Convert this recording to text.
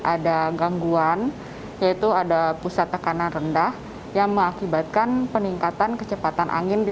ada gangguan yaitu ada pusat tekanan rendah yang mengakibatkan peningkatan kecepatan angin di